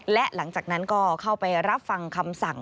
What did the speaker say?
และหลังจากนั้นก็เข้าไปรับฟังคำสั่ง